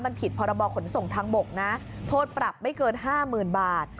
มันผิดพรบขนส่งทางบกนะโทษปรับไม่เกิน๕๐๐๐บาท